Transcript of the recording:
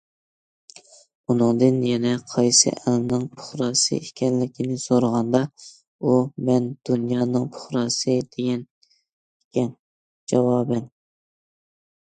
ئۇنىڭدىن يەنە قايسى ئەلنىڭ پۇقراسى ئىكەنلىكىنى سورىغاندا، ئۇ:« مەن دۇنيانىڭ پۇقراسى» دېگەنىكەن جاۋابەن.